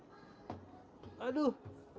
itu dadah tuh